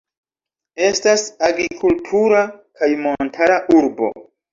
Estas agrikultura kaj montara urbo.